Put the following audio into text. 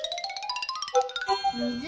みず